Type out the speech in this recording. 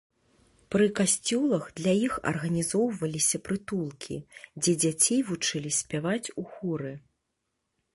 Пры касцёлах для іх арганізоўваліся прытулкі, дзе дзяцей вучылі спяваць ў хоры.